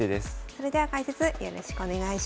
それでは解説よろしくお願いします。